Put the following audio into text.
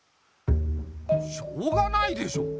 しょうがないでしょ。